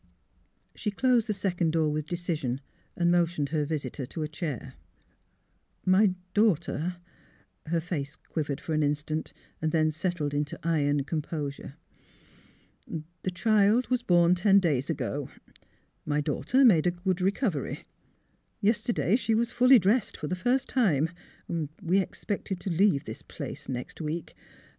She closed the second door with decision and motioned her visitor to a chair. " My daughter " Her face quivered for an instant, then settled into iron composure. " The child was born ten days ago. My daugh ter made a good recovery. Yesterday she was fully dressed for the first time. We expected to leave this place next week.